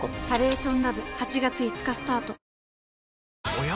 おや？